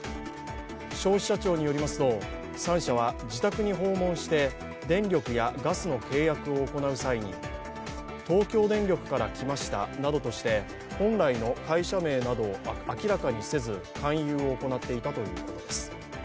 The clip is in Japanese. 消費者庁によりますと、３社は自宅に訪問して電力やガスの契約を行う際に東京電力から来ましたなどとして本来の会社名などを明らかにせず勧誘を行っていたということです。